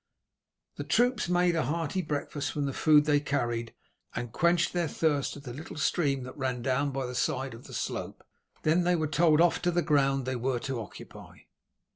The troops made a hearty breakfast from the food they carried, and quenched their thirst at the little stream that ran down by the side of the slope, then they were told off to the ground they were to occupy.